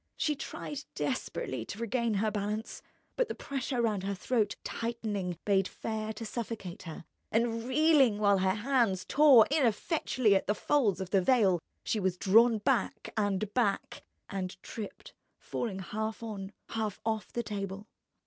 She tried desperately to regain her balance, but the pressure round her throat, tightening, bade fair to suffocate her; and reeling, while her hands tore ineffectually at the folds of the veil, she was drawn back and back, and tripped, falling half on, half off the table.